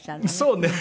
そうね。